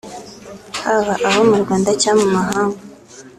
haba abo mu Rwanda cyangwa mu mahanga